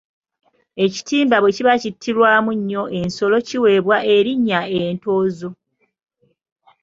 Ekitimba bwe kiba kittirwamu nnyo ensolo kiweebwa erinnya Entoozo.